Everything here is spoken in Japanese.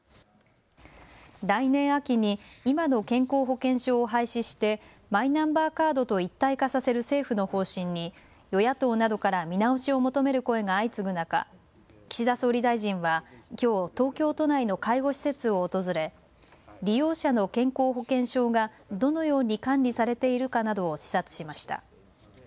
来年秋に今の健康保険証を廃止してマイナンバーカードと一体化させる政府の方針に与野党などから見直しを求める声が相次ぐ中で岸田総理大臣はきょう東京都内の介護施設を訪れ利用者の健康保険証がどのように管理されているかなどを視察しました。